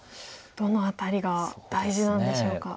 どの辺りが大事なんでしょうか。